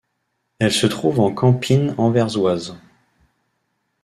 Elle se trouve en Campine anversoise.